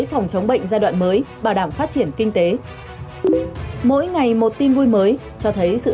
hướng thứ năm là hướng dịch vụ